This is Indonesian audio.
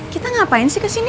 kita ngapain sih kesini